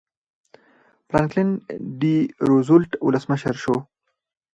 فرانکلن ډي روزولټ ولسمشر شو.